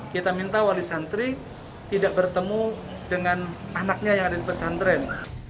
kita minta wali santri tidak bertemu dengan anaknya yang ada di pesantren